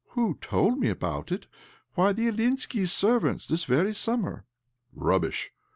"Who told me about it? Why, the Ilyinskis' servants, this very summer." " Rubbish